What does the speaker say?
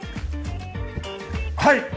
はい！